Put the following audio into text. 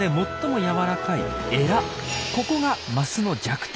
ここがマスの弱点。